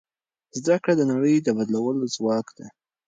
زده کړه د نړۍ د بدلولو ځواک دی.